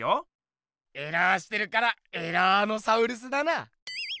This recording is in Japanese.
エラーしてるからエラーノサウルスだな！